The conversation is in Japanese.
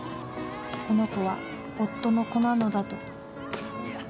この子は夫の子なのだと。